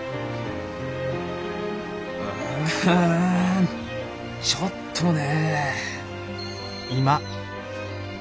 うんちょっとね。